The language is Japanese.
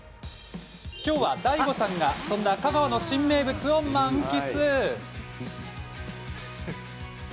今日はＤＡＩＧＯさんがそんな香川の新名物を満喫。